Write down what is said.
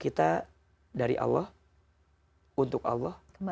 kita dari allah untuk hidup kita